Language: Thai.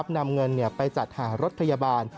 นำเงินไปจัดหารถพยาบาล